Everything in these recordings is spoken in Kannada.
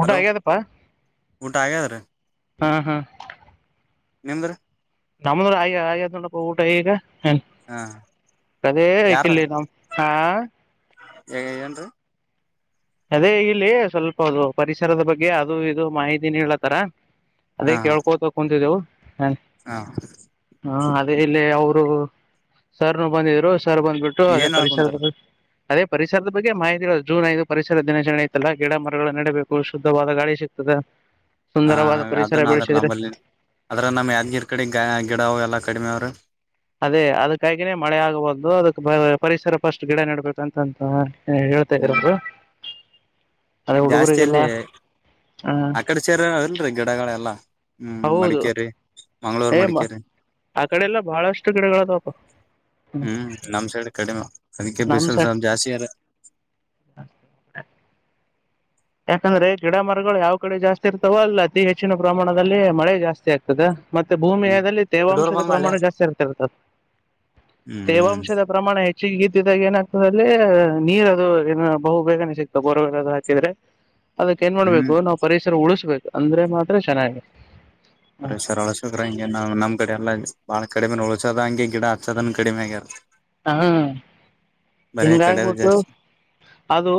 ಊಟ ಹಲೋ ಆಗ್ಯದಪ್ಪ ಊಟ ಆಗ್ಯಾದ್ರಿ ಹಾ ಹಾ ನಿಮ್ದ್ ನಮ್ದುನು ಆಗ್ತದ್ ಅಗ್ಯಾದ್ ನೋಡಪ್ಪ ಊಟ ಈಗ ಹ ಹಾ ಕದ ಕಿಲ್ಲ ನ ಹಾ ಈಗ ಏನ್ರೀ ಅದೇ ಇಲ್ಲಿ ಸ್ವಲ್ಪ ಅದು ಪರಿಸರದ ಬಗ್ಗೆ ಅದು ಇದು ಮಾಹಿತಿ ನೀಡಲತಾರ ಅದೇ ಹಾ ಕೇಳ್ಕೋತ ಕುಂತಿದ್ದೆವು ಹಾ ಹ ಅದೇ ಇಲ್ಲಿ ಅವರು ಸರ್ನು ಬಂದಿದ್ರು ಸರ್ ಬಂದ್ಬಿಟ್ಟು ಅದೇ ಏನ್ ಹೇಳ ಕುಂತಾರ ಪರಿಸರದ ಬಗ್ಗೆ ಅದೇ ಪರಿಸರದ ಬಗ್ಗೆ ಮಾಹಿತಿಗಳು ಜೂನ್ ಐದು ಪರಿಸರ ದಿನಾಚರಣೆಯತಲ್ಲ ಗಿಡ ಮರಗಳ ನೆಡಬೇಕು ಶುದ್ಧವಾದ ಗಾಳಿ ಸಿಗ್ತದೆ ಹ ಸುಂದರವಾದ ಪರಿಸರ ಅದನ್ನ ಅದ್ರ ಬೆಳೆಸಿದ್ರೆ ನಲ್ಲಿ ಅದ್ರ ನಮ್ ಯಾದ್ಗಿರ್ ಕಡೆ ಗ ಗಿಡ ಎಲ್ಲ ಕಡಿಮೆ ಅವ್ರ ಅದೇ ಅದಕ್ಕಾಗಿನೇ ಮಳೆ ಆಗಬಹುದು ಅದಕ್ ಪರಿಸರ ಫಸ್ಟ್ ಗಿಡ ನೆಡ್ಬೇಕಂತಂತ ಹ ಹೇಳ್ತಾ ಹ್ಮ್ ಇದರರು ಜಾಸ್ತಿಯಲ್ಲಿ ಹ ಆ ಕಡೆ ಸೇರ ಅದಲ್ರರಿ ಗಿಡಗಳೆಲ್ಲಾ ಹ್ಮ್ ಹೌದು ಮಡಿಕೇರಿ ಮಂಗಗಳೂರ್ ಏ ಮಡಿಕೇರಿ [inaudible] ಆ ಕಡೆ ಎಲ್ಲ ಬಹಳಷ್ಟು ಗಿಡಗಳದಾವಪ ಹ್ಮ್ ನಮ್ ಸೈಡ್ ಕಡಿಮೆ ಅದಕ್ಕೆ ನಮ್ ಸ ಬಿಸಿಲುಸ ಜಾಸ್ತಿ ಅಲ್ಲ [inaudible] ಯಾಕಂದ್ರೆ ಗಿಡ ಮರಗಳು ಯಾವ ಕಡೆ ಜಾಸ್ತಿ ಇರ್ತಾವೋ ಅಲ್ಲ ಅತಿ ಹೆಚ್ಚಿನ ಪ್ರಮಾಣದಲ್ಲಿ ಮಳೆ ಜಾಸ್ತಿ ಆಗ್ತದೆ ಮತ್ತೆ ಹ್ಮ್ ಭೂಮಿಯದಲ್ಲಿ ಇಡೋರ್ ತೇವಾಂಶದ ಬಂದ್ ಮಳೆ ಪ್ರಮಾಣ ಜಾಸ್ತಿ ಇರ್ತಿರ್ತದೆ ಹ್ಮ್ ತೇವಾಂಶದ ಪ್ರಮಾಣ ಹೆ ಸಿಗಗ್ದಿದ್ದಾಗ ಏನಾಗ್ತದೆ ಅಲ್ಲಿ ನೀರ್ ಅದು ಏ ಬಹು ಬೇಗನೆ ಸಿಗ್ತದೆ ಬೊರವಲ್ ಅದು ಹಾಕಿದ್ರೆ ಅದಕ್ ಏನ್ ಹ್ಮ್ ಮಾಡ್ಬೇಕು ನಾವ್ ಪರಿಸರ ಉಳಸ್ಬೇಕು ಅಂದ್ರೆ ಮಾತ್ರ ಚೆನ್ನಾಗಿ ಅ್ರ ಸರ್ ಒಳ [unintelligible] ಶುಕ್ರ ಹಂಗೆ ನಾ್ ನಮ್ ಕಡೆ ಎಲ್ಲ ಬಾಳ ಕಡಿಮೆ ಊಳಸೋದ ಹಂಗೆ ಗಿಡ ಹಚ್ಚದ ಕಡಿಮೆ ಆಗ್ಯಾರ ಹಾ ಬರೇ ಕಡೆ ಹೆಂಗಗ್ಬಿಟ್ಟು ಜಾಸ್ತಿ ಅದು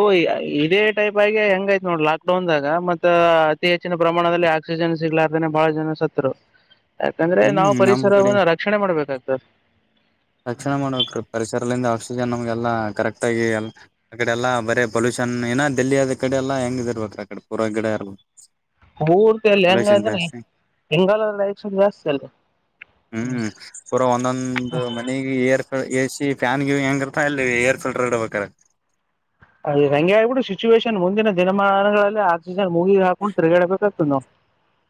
ಇದೇ ಟೈಪ್ ಆಗಿ ಹೆಂಗತಿ ನೋಡ್ ಲಾಕ್ಡೌನ್ದಾಗ ಮತ್ತ ಅತಿ ಹೆಚ್ಚಿನ ಪ್ರಮಾಣದಲ್ಲಿ ಆಕ್ಸಿಜನ್ ಸಿಗ್ಲ ಇರ್ತನೆ ಬಹಳ ಜನ ಸತ್ರು ಯಾಕಂದ್ರೆ ನಾವು ಹ್ಮ್ ನಮ್ ಪರಿಸರವನ್ನ ರಕ್ಷಣೆ ಮಾಡ್ಬೇಕಾಗ್ತದೆ ರಕ್ಷಣ ಮಾಡ ಪರಿಸರಿಂದ ಆಕ್ಸಿಜನ್ ನಮ್ಗೆಲ್ಲಾ ಕರೆಕ್ಟ್ ಆಗಿ ಅ ಕಡೆ ಎಲ್ಲಾ ಬರೇ ಪೊಲ್ಯೂಷನ್ ಏನಾ ದಲ್ಲಿಯ ಆದ ಕಡೆ ಎಲ್ಲಾ ಹೆಂಗ ಇಿರ್ಬೇಕ್ರ ಆಕಡೆ ಪೂರ್ವ ಗಡ ಎ ಪೂರ್ತಿ ಅಲ್ಲಿ ಹೆಂಗ ಅಂದ್ರೆ ಹೆಂಗಾಲ ಲೈ ಜಾಸ್ತಿ ಅಲ್ ಹ್ಮ [inaudible] ದು ಮನೆಗೆ ಏರ್ ಎಸಿ ಫ್ಯಾನ್ಗೆ ಹೆಂಗಿರ್ತ ಅಲ್ಲಿ ಏರ್ ಸಲ್ಟರ್ ಇಡಬೇಕ ರಂಗ್ಯ್ಬಿಡು ಸಿಚುವೇೇಶನ್ ಮುಂದಿನ ದಿನಮಾನಗಳಲ್ಲಿ ಆ ಮೂಗ ಹಾಕೊಂಡು ತಿಗಾಡಬೇಕಕ್ ಸನ್ನೋ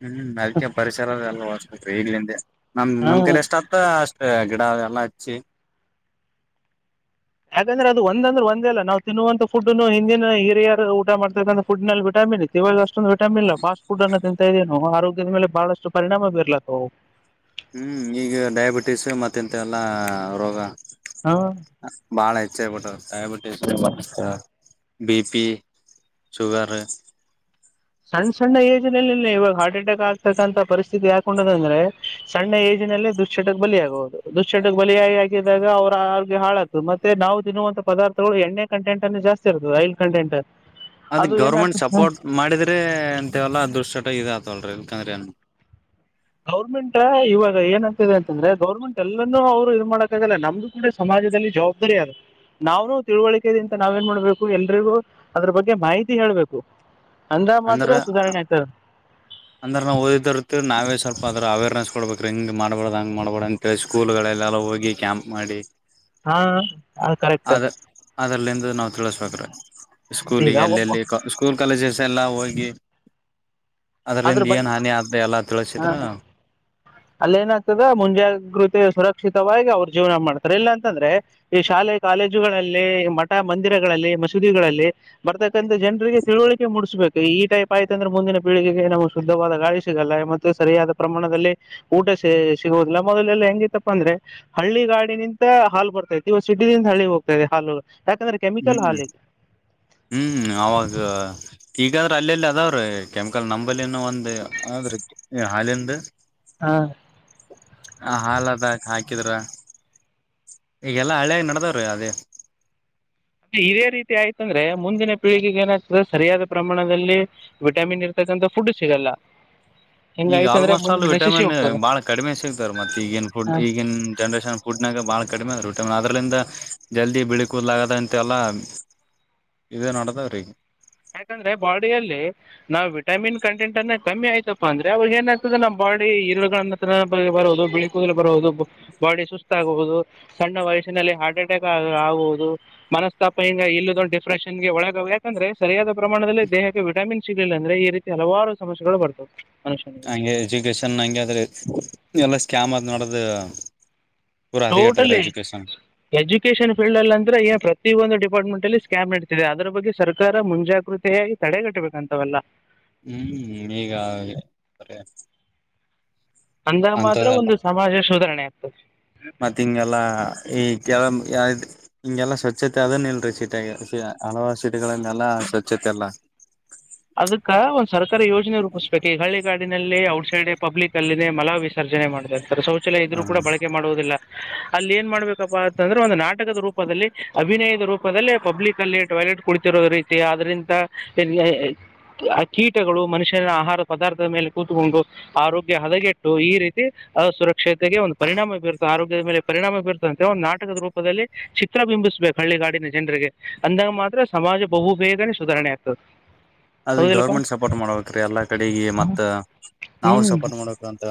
ಹ್ಮ್ ಅದಕ ಪರಿಸರ ಎಲ್ಲೀ ಈಗ್ಲಂದ ನಮ್ ಹಾ ನಮ್ ಕೈಲಿ ಎಷ್ಟ ಆತ್ತ ಅಷ್ಟೇ ಗಿಡ ಎಲ್ಲಾ ಹಚ್ಚಿ ಯಾಕಂದ್ರೆ ಅದು ಒಂದ ಅಂದ್ರ ಒಂದ ಅಲ್ಲಾ ನಾವು ತಿನ್ನುವಂತ ಫುಡ್ನು ಹಿಂದಿನ ಹಿರಿಯ ಊಟ ಮಾಡ್ತಕ್ಕಂತಥಫುಡ್ ನಲ್ಲಿ ವಿಟಾಮಿನ್ ವಿಟಮಿನ್ ಇತ್ತ ಇವಾಗ ಅಷ್ಟ ವಿಟಾಮಿನ ಇಲ್ಲಾ ಫಾಸ್ಟ್ಫುಡ್ ಅನ್ನೋ ಆರೋಗ್ಯದ ಮೇಲೆ ಬಹಳಷ್ಟು ಪರಿಣಾಮ ಬೀರ್ಲತ್ತ ಹ್ಮ್ ಈಗ ಡಯಾಬಿಟೀಸ್ ಮತ್ತೆಂತ ಎಲ್ಲಾ ರೋಗ ಹಾ ಬಾಳ ಹೆಚ್ಚಾಗ ಬಿಟ್ಟಾವ ಡಯಾಬಟೀಸ್ ಮತ್ತ ಬಿಪಿ ಶುಗರ್ ಸಣ್ಣ ಸಣ್ಣ ಏಜ್ ನಲಿ ಇವಾಗ ಹಾರ್ಟ್ ಅಟ್ಯಾಕ್ ಆಗ್ತೀತೆ ಅಂತ ಪರಿಸ್ಥಿತಿ ಯಾಕೊಂಡದ ಅಂದ್ರೆ ಸಣ್ಣ ಏಜಿನಲ್ಲಿ ದುಶ್ಚಟಕ್ಕೆ ಬಲಿ ಆಗಬಹುದು ದುಶ್ಚಟಕ್ಕೆ ಬಲಿಯ ಆಗಿದ್ದಾಗ ಅವರ ಆರೋಗ್ಯ ಹಾಳಗತ್ತ ಮತ್ತೆ ನಾವು ತಿನ್ನುವಂತ ಪದಾರ್ಥಗಳು ಎಣ್ಣೆ ಕಂಟೆಂಟ್ ಅನ್ನು ಜಾಸ್ತಿ ಇರ್ತದ ಆಯಿಲ್ ಕಂಟೆಂಟ್ ಅದು ಗೌರ್ಮೆಂಟ್ ಸಪೋರ್ಟ್ ಮಾಡಿದ ತೆ ಅಂತೆವಲ್ಲ ದುಶ್ಚಟ ರೆ ಇದ ಆತಲ್ರರಿ ಇಲ್ಕಂದ್ರೆ ಅಏನ್ ಗೌರ್ಮೆಂಟ್ ಇವಾಗ ಏನತದೆ ಅಂತಂದ್ರೆ ಗೌರ್ಮೆಂಟ್ ಎಲ್ಲಾನೂ ಅವ್ರು ಇದು ಮಾಡಕಾಗಲ್ಲ ನಮ್ದು ಕೂಡ ಸಮಾಜದಲ್ಲಿ ಜವಾಬ್ದಾರಿ ಅಲ್ಲ ನಾವ್ನು ತಿಳುವಳಿಕೆದ ಅಂತ ನಾವ ಏನ್ ಮಾಡ್ಬೇಕು ಎಲ್ರಿಗೂ ಅದ್ರ ಬಗ್ಗೆ ಮಾಹಿತಿ ಹೇಳ್ಬೇಕು ಅಂದ ಅಂದ್ರ ಮಾತ್ರ ಸುಧಾರಣೆ ಆಗ್ತದೆ ಅಂದ್ರ ನಾವು ಓದಿದರ್ತಿೀವಿ ನಾವೇ ಸ್ವಲ್ಪ ಅದ್ರ ಅವೇರ್ನೆಸ್ ಕೊಡ್ಬೇಕ್ರ ಹಿಂಗ ಮಾಡ್ಬಾರ್ದ ಹಂಗ ಮಾಡ್ಬಾರಡ ಅಂತೇಳಿ ಸ್ಕೂಲ್ಗಳಲ್ಲ ಹೋಗಿ ಕ್ಯಾಂಪ್ ಮಾಡಿ ಹಾ ಕರೆಕ್ಟ್ ಅದ್ರಲ್ಲಿಂದು ನಾವು ತಿಳಿಸಬೇಕರಿ ಈಗ ಸ್ಕೂಲಿಗೆ ಒಬ್ಬ ಅಲ್ಲೆಲ್ಲಿ ಸ್ಕೂಲ್ ಕಾಲೇಜಸ್ ಎಲ್ಲಾ ಹೋಗಿ ಆದ್ರ ಅದ್ರಲಿಂದ ಏನ್ ಬಗ್ಗೆ ಹಾನಿ ಆದ ಎಲ್ಲಾ ತಿಳಸಿದ್ರ ಅಲ್ಲಿ ಏನಾಗಗ್ತದ ಮುಂಜಾಗ್ರತೆ ಸುರಕ್ಷಿತವಾಗಿ ಅವ್ರ ಜೀವನ ಮಾಡ್ತಾರೆ ಇಲ್ಲಾಂತಂದ್ರೆ ಈ ಶಾಲೆ ಕಾಲೇಜುಗಳಲ್ಲಿ ಮಠ ಮಂದಿರಗಳಲ್ಲಿ ಮಸೀದಿಗಳಲ್ಲಿ ಬರ್ತಕ್ಕಂಂತ ಜನರಿಗೆ ತಿಳುವಳಿಕೆ ಮೂಡಿಸ್ಬೇಕು ಈಟೈಪ್ ಆಯ್ತ ಅಂದ್ರ ಮುಂದಿನ ಪೀಳಗ್ಗೆ ಹಾಗ ನಮ್ ಶುದ್ಧವಾದ ಗಾಳ ಸಿಗಲ್ಲ ಮತ್ತೆ ಸರಿಯಾದ ಪ್ರಮಾಣದಲ್ಲಿ ಊಟ ಸ ಸಿಗುವುದಿಲ್ಲ ಮೊದಲೆ ಎಲ್ಲ ಹೆಂಗತ್ತಪ್ಪ ಅಂದ್ರೆ ಹಳ್ಳಿ ಗಾಡಿನಿಂದ ಹಾಲು ಬರ್ತಾತ್ತು ಇವ ಸಿಟಿನಿಂದ ಹಳ್ಳಿ ಹೋಗ್ತಾವೆ ಹಾಲು ಯಾಕಂದ್ರೆ ಕೆಮಿಕಲ್ ಹ್ಮ್ ಹಾಲು ಈಗ ಹ್ಮ್ ಅವಾಗ ಈಗಾದ್ರೆ ಅಲ್ಲಲ್ಲಿ ಅದಾವ್ರೀ ಕೆಮಿಕಲ್ ನಂಬಲ್ಲಿನ ಒಂದು ಆದ್ರೀ ಹಾಲಿಂದು ಹಾ ಹ ಹಾಲ್ ಅದಾ ಹಾಕಿದ್ರ ಈಗೆಲ್ಲಾ ಹಳಿಯಾಗಿ ನಡದವ್ರೀ ಅದೇ ಇದೇ ರೀತಿ ಆಯ್ತಂದ್ರೆ ಮುಂದಿನ ಪೀಳಿಗೆಗೆ ಏನಾಗ್ತದೆ ಸರಿಯಾದ ಪ್ರಮಾಣದಲ್ಲಿ ವಿಟಾಮಿನ್ ಇರ್ತಕ್ಕಂಥ ಫುಡ್ ಸಿಗಲ್ಲ ಈಗ ಹಿಂಗಾಯ್ತಂದ್ರೆ ಆಲ್ಮೋಸ್ಟ್ ಆಲ್ ಮುಂದಿನ ನಶಿಸಿ ವಿಟಮಿನ್ ಹೋಗ್ತದೆ ಬಾಳ ಕಡಿಮೆ ಸಿಗ್ತಾರ ಮತ್ತೆ ಈಗಿನ ಫುಡ್ ಈಗಿನ ಜನ್ರೇಷನ್ ಫುಡ್ನಾಗ ಬಾಳ ಕಡಿಮೆಟ್ಟಿ ಅದ್ರಲಂದ ಜಲ್ದಿ ಬಿಳಿ ಕೂದಲಾಗದ ಅಂತೆ ಎಲ್ಲ ಇದೇ ನೋಡದವ್ರೀ ಯಾಕಂದ್ರೆ ಬಾಡಿಯಲ್ಲಿ ನಾವ್ ವಿಟಮಿನ್ ಕಂಟೆಂಟ್ ಅನ್ನ ಕಮ್ಮಿ ಆಯ್ತಾ ಅಂದ್ರೆ ಅವ್ರಾಗ ಏನ್ ಆ್ತದೆ ನಮ್ಮ್ ಬಾಡಿ ಹರುನ್ನ ಬರದು ಬಿಳಿ ಕೂದಲು ಬರಬಹುದು ಬಾಡಿ ಸುಸ್ತ ಆಗಬಹುದು ಸಣ್ಣ ವಯಸ್ಸಿನಲ್ಲಿ ಹಾರ್ಟ್ ಅಟ್ಯಾಕ್ ಆ ಆಗಹುದು ಮನಸ್ತಾಪ ಹಂಗ ಇಲ್ಲದೊ ಡಿಪ್ರೆಷನ್ ಗೆ ಒಳಗಾಗುದು ಯಾಕಂದ್ರೆ ಸರಿಯಾದ ಪ್ರಮಾಣದಲ್ಲಿ ದೇಹಕ್ಕೆ ವಿಟಾಮಿನ್ ಸಿಗ್ಲಿಲ್ಲ ಅಂದ್ರೆ ಈ ರೀತಿ ಹಲವಾರು ಸಮಸ್ಯೆಗಳು ಬರ್ತವೆ ಮನುಷ್ಯನಿಗೆ ಹಂಗೆ ಎಜುಕೇಶನ್ ಹಂಗೆ ಅದ ರಿ ಎಲ್ಲಾ ಕ್ಯಾಮದ್ ನಡದು ಟೋಟಲಿ ಎಜುಕೇಶಷನ್ ಫೀಲ್ಡ್ ಅಲ್ಲಿ ಅಂತ್ರೆ ಏನ್ ಪ್ರತಿಯೊಂದು ಡಿಪಾರ್ಟ್ಮೆಂಟ್ ಅಲ್ಲಿ ಸ್ಕ್ಯಾಮ್ ನಡೀತಿದೆ, ಅದರ ಬಗ್ಗೆ ಸರ್ಕಾರ ಮುಂಜಾಗ್ರತೆಯಾಗಿ ತಡೆಗಟ್ಟಬೇಕು ಅಂತವೆಲ್ಲ. ಹ್ಮ್ ಈಗ ಸರಿ ಅಂದಾಗ ಮಾತ್ರ ಒಂದು ಸಮಾಜ ಸುಧಾರಣೆ ಆತೆ. ಸ ಮತ್ತ ಹಿಂಗೆಲ್ಲಾ ಈ [unintelligible] ಹಿಂಗೆಲ್ಲಾ ಸ್ವಚ್ಛತೆ ಅದನ್ ಇಲ್ರಿ ಸೀಟೆಗೆ ಹಲವಾರು ಸೀಟಗಳಿಂದೆಲ್ಲಾ ಸ್ವಚ್ಛತೆ ಎಲ್ಲ ಅದಕ್ಕ ಒಂದ್ ಸರ್ಕಾರ ಯೋಜನೆ ರೂಪಿಸ್ಬೇಕು, ಈ ಹಳ್ಳಿಗಾಡಿನಲ್ಲಿ ಔಟ್ಸೈಡ್ ಪಬ್ಲಿಕ್ ಅಲ್ಲಿನೇ ಮಲ ವಿಸರ್ಜನೆ ಮಾಡ ರ ಶೌಚಯ ಇದ್ರೂ ಹ ಕೂಡ ಬಳಕೆ ಮಾಡುವುದಿಲ್ಲ. ಅಲ್ಲಿ ಏನ್ ಮಾಡ್ಬೇಕಪ್ಪ ಅಂತಂದ್ರೆ ಒಂದು ನಾಟಕದ ರೂಪದಲ್ಲಿ ಅಭಿನಯದ ರೂಪದಲ್ಲಿ ಪಬ್ಲಿಕ್ ಅಲ್ಲಿ ಟಾಯ್ಲೆಟ್ ಕುಳಿತಿರೋ ರೀತಿ ಆದ್ರಿಂದ ಏನ್ ಆ ಕೀಟಗಳು ಮನುಷ್ಯನ ಆಹಾರ ಪದಾರ್ಥದ ಮೇಲೆ ಕೂತ್ಕೊಂಡು ಆರೋಗ್ಯ ಹದಗೆಟ್ಟು, ಈ ರೀತಿ ಆ ಸುರಕ್ಷತೆಗೆ ಒಂದು ಪರಿಣಾಮ ಬೀರುತ್ತ, ಆರೋಗ್ಯದ ಮೇಲೆ ಪರಿಣಾಮ ಬೀರುತ ಅಂತ್ರೆ ಒಂದು ನಾಟಕದ ರೂಪದಲ್ಲಿ ಚಿತ್ರ ಬಿಂಬಿಸ್ಬೇಕು ಹಳ್ಳಿಗಾಡಿನ ಜನರಿಗೆ, ಅಂದಾಗ ಮಾತ್ರ ಸಮಾಜ ಬಹುಬೇದನೆ ಸುಧಾರಣೆ ಆಗ್ತದೆ. ಅದ ಹೌದಿಲ್ಲಪ್ಪ ಗೌರ್ಮೆಂಟ್ ಸಪೋರ್ಟ್ ಮಾಡ್ಬೇಕ್ರೀ ಎಲ್ಲಾ ಕಡೆಗೆ ಮತ್ತ ನಾವು ಹ್ಮ್ ಸಪೋರ್ಟ್ ಮಾಡ್ಬೇಕ ಅಂತ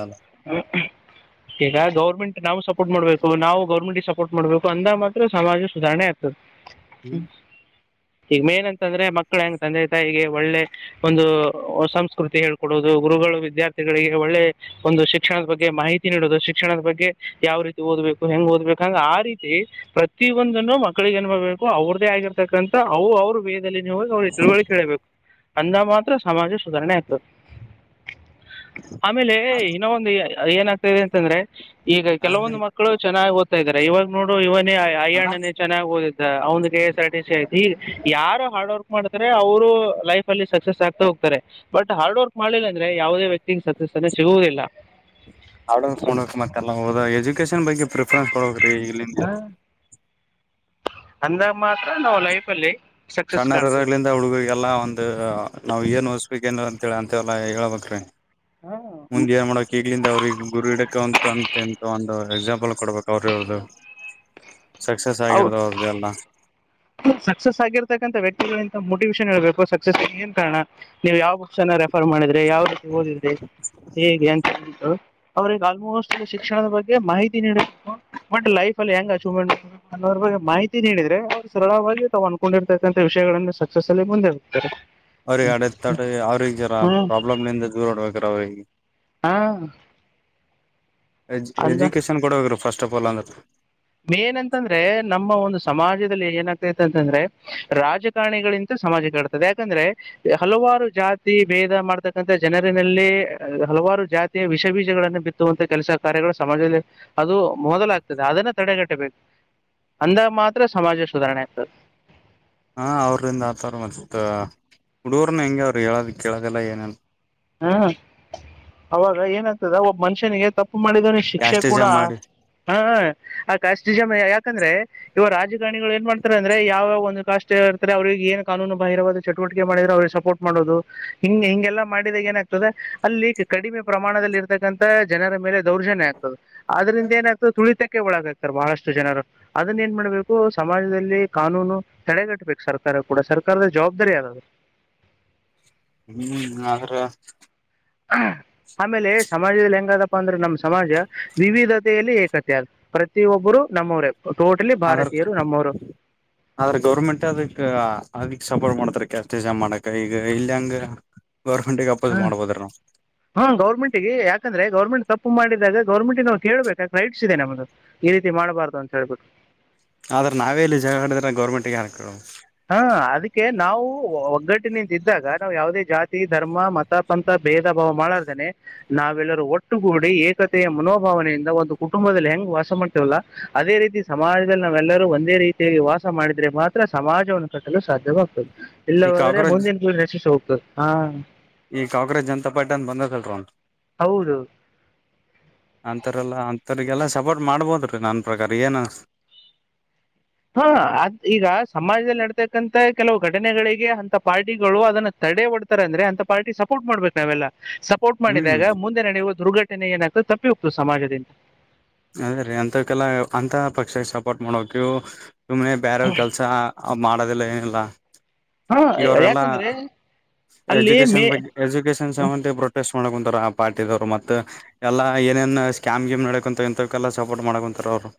ಈಗ ಗೌರ್ಮೆಂಟ್ ನಾವು ಸಪೋರ್ಟ್ ಮಾಡಬೇಕು, ನಾವು ಗೌರ್ಮೆಂಟ್ಗೆ ಸಪೋರ್ಟ್ ಮಾಡ್ಬೇಕು ಅಂದ ಮಾತ್ರ ಸಮಾಜ ಸುಧಾರಣೆ ಆಗ್ತದೆ. ಹ ಈಗ ಮೇನ್ ಅಂತ ಅಂದ್ರೆ ಮಕ್ಳ ಹೆಂಗ್ ತಂದೆ ತಾಯಿಗೆ ಒಳ್ಳೆ ಒಂದು ಸಂಸ್ಕೃತಿ ಹೇಳ್ಕೊಡೋದು, ಗುರುಗಳು ವಿದ್ಯಾರ್ಥಿಗಳಿಗೆ ಒಳ್ಳೆ ಒಂದು ಶಿಕ್ಷಣದ ಬಗ್ಗೆ ಮಾಹಿತಿ ನೀಡೋದು ಶಿಕ್ಷಣದ ಬಗ್ಗೆ ಯಾವ ರೀತಿ ಓದ್ಬೇಕು ಹೆಂಗ್ ಓದ್ಬೇಕುಂಗ ಆ ರೀತಿ ಪ್ರತಿ ಒಂದನ್ನು ಮಕ್ಕಳಿಗೆ ಅನ್ಭಬೇಕು ಅವ್ರ್ದೇ ಆಗಿರ್ತಕ್ಕಂಥ, ಅವು ಅವ್ರು ನೀ ಅವ್ರಿಗೆ ತಿಳುವಳಿಕೆ ಹೇಳಬೇಕು. ಅಂದಾಗ ಮಾತ್ರ ಸಮಾಜ ಸುಧಾರಣೆ ಆಗ್ತದೆ. ಆಮೇಲೆ ಇನ್ನೊ ಒಂದು ಏನಾಗ್ತದೆ ಅಂತಂದ್ರೆ, ಈಗ ಕೆಲವೊಂದು ಮಕ್ಕಳು ಚೆನ್ನಾಗಿ ಇದಾರೆ, ಇವಾಗ ನೋಡು ಇವಾಗ ಅಯಾಣ್ಣನೇ ಚೆನ್ನಾಗಿ ಓದೆ. ಅವನ್ಗೆ ಎಸ್ ಆರ್ಟ ಆಯ್ತು ಹೀಗ ಯಾರು ಹಾರ್ಡ್ ವರ್ಕ್ ಮಾಡ್ತಾರೆ ಅವರು ಲೈಫ ಅಲ್ಲಿ ಸಕ್ಸಸ್ ಆಗ್ತಾ ಹೋಗ್ತಾರೆ, ಬಟ್ ಹಾರ್ಡ್ ವರ್ಕ್ ಮಾಡಲಿಲ್ಲ ಅಂದ್ರೆ ಯಾವುದೇ ವ್ಯಕ್ತಿಗೆ ಸಕ್ಸಸ್ ಅ ಸಿಗುವುದಿಲ್ಲ. ಹಾರ್ಡ್ ಮಾಡಬೇಕ್ ಮತ್ತೆಲ್ಲಾ ಹೋದಜ ಎಕೇಶನ್ ಬಗ್ ಪ್ರಫರೆನ್ಸ್ ಕೊಡ್ಬೇಕ ಗೆ ಇಲ್ಲಿಂದ ಅಂದಾಗ ಮಾತ್ರ ನಾವು ಲೈಫ್ ಅಲ್ಲಿ ಸಣ್ಣರದಗಳಿಂದ ಹುಡುಗರಿಗೆಲ್ಲ ಒಂದು ನಾವು ಏನ್ ಓದಿಸ್ಬೇಕ ಏನ ಳ ಅಂತೆ ಎಲ್ಲ ಹೇಳಳ್ಬೇಕ್ರೀ. ಮುಂದೆ ಏನ್ ಮಾಡಕ್ ಈಗ್ಲಿಂದ ಅವ್ರಿಗೆ ಗುರು ಇಡಕ ಅಂತ ಅಂತ ಎಂತ ಒಂದು ಎಕ್ಸಾಂಪಲ್ ಕೊಡ್ಬೇಕ ಅವ್ರ ಅವ್ರ್ದು ಸಕ್ಸಸ್ ಅವು ಆಗಿರ್ದ ಅವ್ರ್ದಲ್ಲ ಸಕ್ಸಸ್ ಆಗಿರ್ತಕ್ಕಂಥ ವ್ಯಕ್ತಿಗಳುಗಂತ ಮೋಟಿವೇಷನ್ ಹೇಳ್ಬೇಕು, ಸಕ್ಸಸ್ ಏನ್ ಕಾರಣ ನೀವು ಯಾವಪ್ಷ ಫರ್ ಮಾಡಿದ್ರೆ ಯಾವ ರೀತಿ ಓದಿದ್ರೆ ಹೇಗೆ ಅಂತ ಹೇಳಿ ಅವ್ರಗ ಆಲ್ಮೋಸ್ಟ್ ಶಿಕ್ಷಣದ ಬಗ್ಗೆ ಮಾಹಿತಿ ನೀಡಬೇಕು ಬಟ್ ಲೈಫ್ ಅಲ್ಲಿ ಹೆಂಗ್ ಅಚೀವ್ಮೆಂಟ್ ಅನ್ನೋದ ಬಗ್ಗೆ ಮಾಹತಿ ನಿಡಿದ್ರೆ ಸರಳವಾಗಿ ತಾವಾವು ಅನ್ಕೊಂಡಿರ್ತಕ್ಕಂಥ ವಿಷಯಗಳನ್ನು ಸಕ್ಸಸ್ ಅಲ್ಲಿ ಮುಂದೆ ಹೋಗ್ತಾರೆ ಅವ್ರಿಗೆ ಅಡೆತಡೆ ಅವ್ರಿಗೆ ಜರ ಹ್ಮ್ ಪ್ರಾಬ್ಲಮ್ ನಿಂದ ದೂರ ಆಡ್ಬೇಕಾರ ಅವ್ರಿಗೆ ಹಾ ಎಜ್ ಅಂದ ಎಜುಕೇಶನ್ ಕೊಡಬೇಕರು ಫಸ್ಟ್ ಆಫ್ ಆಲ್ ಅಂದ್ರ ಮೇನ್ ಅಂತಂದ್ರೆ ನಮ್ಮ ಒಂದು ಸಮಾಜದಲ್ಲಿ ಏನಾಗ್ತತೆ ಅಂತಂದ್ರೆ ರಾಜಕಾರಣಿಗಳಿಂತ ಸಮಾಜಕ್ಕೆ ಯಾಕಂದ್ರೆ ಹಲವಾರು ಜಾತಿ ಭೇದ ಮಾಡ್ತಕ್ಕಂಥ ಜನರಿನಲ್ಲಿ ಹಲವಾರು ಜಾತಿಯ ವಿಷ ಬೀಜಗಳನ್ನು ಬಿತ್ತುವಂತ ಕೆಲಸ ಕಾರ್ಯಗಳು ಸಮಾಜದಲ್ಲಿ ಅದು ಮೊದಲಾಗ್ತದೆ ಅದನ್ನ ತಡೆಗಟ್ಟಬೇಕು ಅಂದಾಗ ಮಾತ್ರ ಸಮಾಜ ಸುಧಾರಣೆ ಆಗ್ತದೆ. ಹಾ ಅವ್ರಿಂದ ಆತವರ ಮತ್ತ ಹುಡುಗರ್ನ ಹೆಂಗೆ ಅವರು ಹೇಳದ ಕೇಳದೆಲ್ಲ ಏನ್ ಇಲ್ಲಾ ಹ್ಮ ಅವಾಗ ಏನಾಗ್ತದ ಒಬ್ ಮನುಷ್ಯನಿಗೆ ತಪ್ಪ ಮಾಡಿದವನ ಶಿಕ್ಷೆ ಕ್ಯಾಸ್ಟೇಜ ಕೂಡೋ ಮಾಡಿ ಹ ಆ ಕಾಸ್ಟಿಜಮ ಯಾಕಂದ್ರೆ ಇವ ರಾಜ್ಯ ಏನ್ ಮಾಡ್ತಾರೆ ಅ್ರ ಯಾವ ಒಂದು ಕಾಷ್ಟ ಇರ್ತಾರೆ ಅವ್ರರಿಗೆ ಏನ್ ಕಾನೂನು ಬಾಹಿರವಾದ ಚಟುವಟಿಕೆ ಮಾಡಿದ್ರೆ ಅವ್ರಿಗೆ ಸಪೋರ್ಟ್ ಮಾಡೋದು ಹಿ ಹಿಂಗೆಲ್ಲಾ ಮಾಡಿದಾಗ ಏನಾಗ್ತದೆ ಅಲ್ಲಿ ಕಡಿಮೆ ಪ್ರಮಾಣದಲ್ಲಿ ಇರ್ತಕ್ಕಂತ ಜನರ ಮೇಲೆ ದೌರ್ಜನ್ಯ ಆಗ್ತದ ಆದದ್ರಿಂದ ಏನಾತದ್ ತುಳಿತ ಒಳಗಾಗ್ತಾರೆ ಬಹಳಷ್ಟು ಜನರು ಅದನ್ನ ಏನ್ ಮಾಡ್ಬೇಕು ಸಮಾಜದಲ್ಲಿ ಕಾನೂನು ತಡೆಗಟ್ಬೇಕು ಸರ್ಕಾರ ಕೂಡ ಸರ್ಕಾರದ ಜವಾಬ್ದಾರಿ ಅದು ಹ್ಮ್ ಆದ್ರ ಆಮೇಲೆ ಸಮಾಜದಲ್ಲಿ ಹೆಂಗಾದಪ್ಪ ಅಂದ್ರೆ ನಮ್ಮ್ ಸಮಾಜ ವಿವಿಧತೆಯಲ್ಲಿ ಏಕತೆ ಅದ ಪ್ರತಿಯೊಬ್ಬರು ನಮ್ಮವರೇ. ಟೋಟಲಿ ಅಂದ್ರ ಭಾರತೀಯರು ನಮ್ಮವರು ಆದ್ರ ಗೌರ್ಮೆಂಟ್ ಅದಕ್ಕ ಅದ ಸಪೋರ್ಟ್ ಮಾಡ್ತಾರೆ ಕ್ಯಾಸ್ಟಜಮ್ ಮಾಡಕ ಈಗ ಇಲ್ಲ ಹೆಂಗ ಹ್ಮ ಹಾ ಗೌರ್ಮೆಂಟಗೆ ಯಾಕಂದ್ರೆ ಗೌರ್ಮೆಂಟ್ ತಪ್ಪು ಮಾಡಿದಾಗ ಗೌರ್ಮೆಂಟ್ಗ ನಾವು ಕೇಳ್ಬೇಕ ರೈಟ್ಸ್ ಇದೆ ನಮ್ದು ಈ ರೀತಿ ಮಾಡ್ಬಾರ್ದ ಅಂತ ಹೇಳ್ಬಟ್ಟು ಆದ್ರ ನಾವೇ ಇಲ್ಲಿ ಜಗಳಾಡಿದ್ರೆ ಗೌರ್ಮೆಂಟಗ ಹಾಕ ಹಾ ಅದಕ್ಕೆ ನಾವು ಒಗ್ಗಟ್ಟಿನಿಂದ ಇದ್ದಾಗ ನಾವು ಯಾವುದೇ ಜಾತಿ ಧರ್ಮ ಮತ ಪಂಥ ಭೇದ ಭಾವ ಮಾಡಲಾರದೇನೆ ನಾವೆಲ್ಲರೂ ಒಟ್ಟುಗೂಡಿ ಏಕತೆಯ ಮನೋಭಾವನೆಯಿಂದ ಒಂದು ಕುಟುಂಬದಲ್ಲಿ ಹೆಂಗ್ ವಾಸ ಮಾಡ್ತೇವಲ್ಲ ಅದೇ ರೀತಿ ಸಮಾಜದಲ್ಲಿ ನಾವೆಲ್ಲರೂ ಒಂದೇ ರೀತಿಯ ವಾಸ ಮಾಡಿದ್ರೆ ಮಾತ್ರ ಸಮಾಜ [unintelligible] ಕಟ್ಟಲು ಸಾಧ್ಯವಾಗ್ತದ ಈ ಇಲ್ಲವಾದ್ರೆ ಕಾಕ್ರೋಚ್ ಮುಂದಿನ ಪಿಳಿಗ ನಸಿಸೀ ಹೋಗ್ತದ ಹಾ ಈ ಕಾಕ್ರೋಚ್ ಜನತಾ ಪಾರ್ಟಿಅಂತ ಬಂದಲ್ ಒಂದ ಹೌದು ಅಂತಾರಲ್ಲಾ ಅಂತವರಿಗೆಲ್ಲ ಸಪೋರ್ಟ್ ಮಾಡ್ಬೋದ್ರೀ ನನ್ನ ಪ್ರಕಾರ ಏನು ಹಾ ಅದ್ ಈಗ ಸಮಾಜದಲ್ಲಿ ನಡ್ತಕ್ಕಂತ ಕೆಲವು ಘಟನೆಗಳಿಗೆ ಅಂತ ಪಾರ್ಟಿಗಳು ಅದನ್ನ ತಡೆ ಒಡ್ತಾರೆ ಅಂದ್ರೆ ಅಂತ ಪಾರ್ಟಿ ಸಪೋರ್ಟ್ ಮಾಡ್ಬೇಕು ನಾವೆಲ್ಲ. ಸಪೋರ್ಟ್ ಹ್ಮ್ ಮಾಡಿದಾಗ ಮುಂದೆ ನಡೆಯುವದು ದುರ್ಘಟನೆ ಏನಾಗ್ತದೆ ತಪ್ಪಿ ಹೋಗ್ತು ಸಮಾಜದಿಂದ ಅದೇ ರೀ ಅಂತಕ್ಕೆಲ್ಲ ಅಂತ ಪಕ್ಷ ಸಪೋರ್ಟ್ ಮಾಡಬೇಕರೀ ಇವು ಸುಮ್ನೆ ಬ್ಯಾರೆದ ಕೆಲಸಾ ಮಾಡೋದಿಲ್ಲ ಏನಿಲ್ಲಾ ಹಾ ಈಗ ಅವರೆಲ್ಲ ಯಾಕಂದ್ರೆ ಅಲ್ಲಿ ಎಜುಕೇಶನ್ ಮೇ ಬಗ್ಗೆ ಎಜುಕೇಶನ್ ಸೆವೆಂಟಿ ಪ್ರೊಟೆಸ್ಟ್ ಮಾಡಂತ ಪಾರ್ಟಿದವ್ರು ಮತ್ತ ಎಲ್ಲಾ ಏನೇನ್ ಸ್ಕ್ಯಾಮ್ ಗಿಮ್ ನಡಕೊಂತ ಇಂಥವಕೇಲ್ಲಾ ಸಪೋರ್ಟ್ ಮಾಡ್ಕೊಂತಾರ ಅವ್ರು.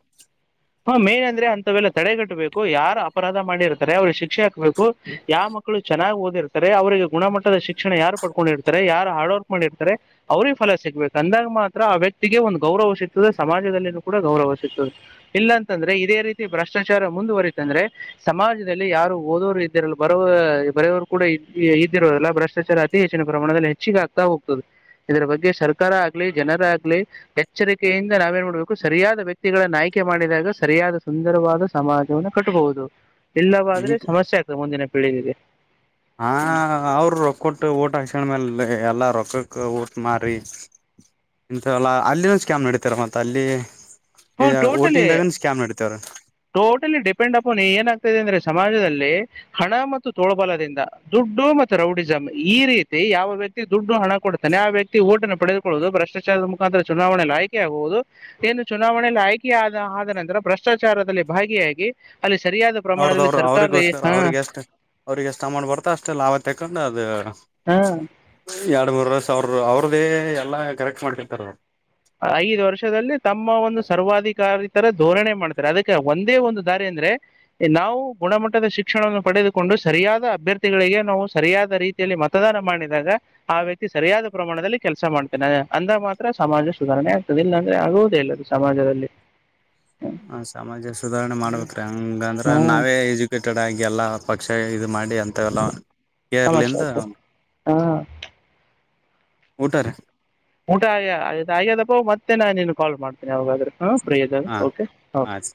ಹ ಮೇನ್ ಅಂದ್ರೆ ಅಂತವೆಲ್ಲ ತಡೆಗಟ್ಟಬೇಕು ಯಾರ ಅಪರಾಧ ಮಾಡಿರ್ತಾರೆ ಅವ್ರಿಗೆ ಶಿಕ್ಷೆ ಹಾಕ್ಬೇಕು ಯಾವ ಮಕ್ಳು ಚೆನ್ನಾಗ್ ಓದಿರ್ತಾರೆ ಅವ್ರರಿಗೆ ಗುಣಮಟ್ಟದ ಶಿಕ್ಷಣ ಯಾರು ಪಡ್ಕೊಂಡಿರ್ತಾರೆ ಯಾರ ಹಾರ್ಡ್ ವರ್ಕ್ ಮಾಡಿರ್ತಾರೆ ಅವ್ರ ಫಲ ಸಿಗ್ಬೇಕು ಅಂದಾಗ ಮಾತ್ರ ಆ ವ್ಯಕ್ತಿಗೆ ಒಂದ್ ಗೌರವ ಸಿಗ್ತದೆ ಸಮಾಜದಲ್ಲಿನೂ ಕೂಡ ಗೌರವ ಸಿಗ್ತದೆ. ಇಲ್ಲಾಂತಂದ್ರೆ ಇದೇ ರೀತಿ ಭ್ರಷ್ಟಾಚಾರ ಮುಂದುವರಿತಂದ್ರೆ ಸಮಾಜದಲ್ಲಿ ಯಾರು ಓದೋರು ಇದ್ದಿರಲ್ಲ ಬರೋ ಬರೆಯವರು ಕೂಡ ಇದ್ದಿರೋದಲ್ಲ ಭ್ರಷ್ಟಾಚಾರ ಅತಿ ಹೆಚ್ಚಿನ ಪ್ರಮಾಣದಲ್ಲಿ ಹೆಚ್ಚಿಗೆ ಆಗ್ತಾ ಹೋಗ್ತದೆ ಇದರ ಬಗ್ಗೆ ಸರ್ಕಾರ ಆಗ್ಲಿ ಜನರಾಗಗ್ಲಿ ಎಚ್ಚರಿಕೆಯಿಂದ ನಾವೇನ್ ಮಾಡ್ಬೇಕು ಸರಿಯಾದ ವ್ಯಕ್ತಿಗಳ ನಾಯಕ ಮುಕೆ ಮಾಡಿದಾಗ ಸರಿಯಾದ ಸುಂದರವಾದ ಸಮಾಜವವನ್ನು ಕಟ್ಟಬಹುದು ಇಲ್ಲವಾದ್ರೆ ಈಗ ಸಮಸ್ಯೆ ಆಗ್ತದೆ ಮುಂದಿನ ಒಳ್ಳಿದೆ ಹಾ ಅವರು ರೊಕ್ಕ ಕೊಟ್ಟು ಊಟ ಹಕ್ಷಣ ಮೇಲೆ ಎಲ್ಲ ರೊಕ್ಕ ಪಕ್ಕಕ್ಕ ಊಟ್ ಮಾರಿ ಇಥ ಎಲ್ಲ ಅಲ್ಲಿನ ಸ್ಕ್ಯಾಮ್ ನಡತಾರ ಮತ್ತ ಅಲ್ಲಿ ಹನ್ ಟೋಟಲಿ ಓಟಿಂಗ್ದಾಗನ್ ಸ್ಕ್ಯಾಮ್ ನಡೀತವ್ರ ಟೋಟಲಿ ಡಿಪೆಂಡ್ ಅಪನ್ ಏನಾಗ್ತದೆ ಅಂದ್ರೆ ಸಮಾಜದಲ್ಲಿ ಹಣ ಮತ್ತು ತೋಳಬಲದಿಂದ ದುಡ್ಡು ಮತ್ತು ರೌಡಿಸಂ್ ಈ ರೀತಿ ಯಾವ ವ್ಯಕ್ತಿ ದುಡ್ಡು ಹಣ ಕೊಡ್ತಾನೆ ಆ ವ್ಯಕ್ತಿ ಓಟನ್ನು ಪಡೆದುಕೊಳ್ಳುವುದು ಭ್ರಷ್ಟಾಚಾರದ ಮುಖಾಂತರ ಚುನಾವಣೆಯಲ್ಲಿ ಆಯ್ಕೆ ಆಗುವುದು ಏನು ಚುನಾವಣೆಯಲ್ಲಿ ಆಯ್ಕೆ ಆದ ಆದ ನಂತರ ಭ್ರಷ್ಟಾಚಾರದಲ್ಲಿ ಭಾಗಿಯಾಗಿ ಅಲ್ಲಿ ಸರಿಯಾದ ಪ್ರಮಾಣದಲ್ಲಿ ಅವ್ರದವರು ಸರ್ಕಾರದ ಅವ್ರರಿಗೋಸ್ಕರ ಹಾ ಅವ್ರಿಗೆಷ್ಟ ಅವ್ರಿಗೆ ಎಷ್ಟ ಅಮಂಡ್ ಬರ್ತ ಅಷ್ಟೆ ಲಾಭ ತೆಗೊಂಡು ಅ ಅದ ಹಾ ಎರಡು ಮೂರ ರಷ ಅವ್ರ ಅವ್ರದೇ ಎಲ್ಲ ಕರೆಕ್ಟ್ ಮಾಡ್ತಿರ್ತಾರೆ ಅವರು ಐದು ವರ್ಷದಲ್ಲಿ ತಮ್ಮ ಒಂದು ಸರ್ವಾಧಿಕಾರಿ ತರ ಧೋರಣೆ ಮಾಡ್ತಾರೆ ಅದಕ್ಕೆ ಒಂದೇ ಒಂದು ದಾರಿ ಅಂದ್ರೆ ನಾವು ಗುಣಮಟ್ಟದ ಶಿಕ್ಷಣವನ್ನು ಪಡೆದುಕೊಂಡು ಸರಿಯಾದ ಅಭ್ಯರ್ಥಿಗಳಿಗೆ ನಾವು ಸರಿಯಾದ ರೀತಿಯಲ್ಲಿ ಮತದಾನ ಮಾಡಿದಾಗ ಆ ವ್ಯಕ್ತಿ ಸರಿಯಾದ ಪ್ರಮಾಣದಲ್ಲಿ ಕೆಲಸ ಮಾಡ್ತೇನೆ ಅಂದ ಮಾತ್ರ ಸಮಾಜ ಸುಧಾರಣೆ ಆಗ್ತದೆ ಇಲ್ಲಾಂದ್ರೆ ಆಗುವುದೇ ಇಲ್ಲ ಅದು ಸಮಾಜದಲ್ಲಿ ಹ ಸಮಾಜ ಸುಧಾರಣೆ ಹ್ಮ್ ಮಾಡ್ಬೇಕ್ರೀ ಹಂಗಂದ್ರ ಹ್ಮ್ ನಾವೇ ಎಜುಕೇಟೆಡ್ ಆಗಿ ಎಲ್ಲಾ ಪಕ್ಷ ಮಾಡಿ ಅಂತ ಎಲ್ಲ ಸಮ ಹಾ ಊಟಾರೆ ಊಟ ಆಯ್ಯದಪ್ಪ ಮತ್ತೆ ನಾ ನಿನು ಕಾಲ್ ಮಾಡ್ತ ೋಗಾದ್ರೆ ಹಾ ಫ್ರೀ ಅದ ಹಾ ಓಕೆ ಹ ಆಯ್ತು.